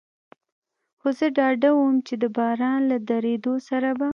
خو زه ډاډه ووم، چې د باران له درېدو سره به.